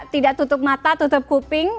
tidak tutup mata tutup kuping